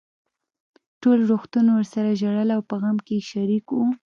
ټول روغتون ورسره ژړل او په غم کې يې شريک وو.